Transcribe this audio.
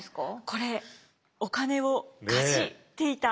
これお金を貸していた。